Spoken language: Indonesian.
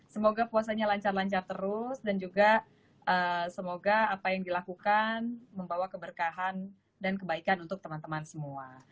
semoga puasanya lancar lancar terus dan juga semoga apa yang dilakukan membawa keberkahan dan kebaikan untuk teman teman semua